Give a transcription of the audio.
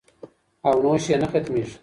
او نوش یې نه ختمیږي